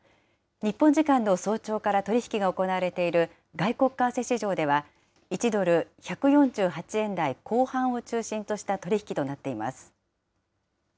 日本時間の早朝から取り引きが行われている外国為替市場では、１ドル１４８円台後半を中心とした取り引きとなっています。